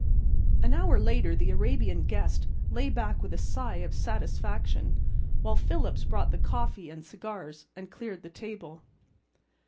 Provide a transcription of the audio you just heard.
An hour later the Arabian guest lay back with a sigh of satisfaction while Phillips brought the coffee and cigars and cleared the table.